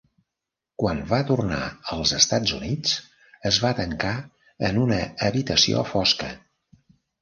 Quan va tornar als Estats Units, es va tancar en una habitació fosca.